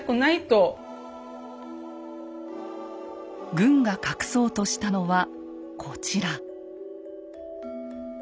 軍が隠そうとしたのはこちら。